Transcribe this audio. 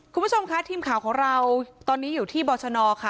คุณผู้ชมค่ะทีมข่าวของเราตอนนี้อยู่ที่บรชนค่ะ